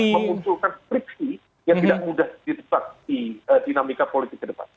memunculkan striksi yang tidak mudah ditebak di dinamika politik ke depan